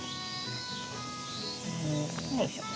んよいしょ。